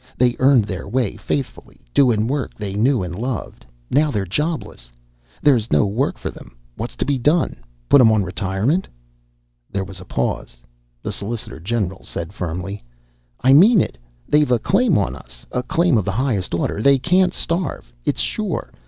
They earned their way faithful, doin' work they knew an' loved. Now they're jobless. There's no work for them. What's to be done? Put 'em on re [remainder of text is missing] There was a pause. The solicitor general said firmly: "I mean it! They've a claim on us! A claim of the highest order! They can't starve, it's sure!